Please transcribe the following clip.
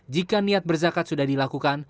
jika niat berzakat sudah dilakukan